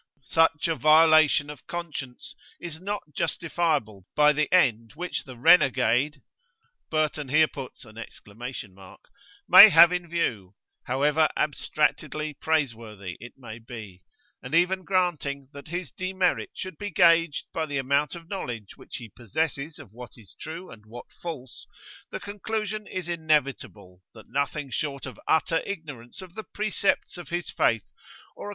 Such a violation of conscience is not justifiable by the end which the renegade (!) may have in view, however abstractedly praiseworthy it may be; and even granting that his demerit should be gauged by the amount of knowledge which he possesses of what is true and what false, the conclusion is inevitable, that nothing short of utter ignorance of the precepts of his faith, or a [p.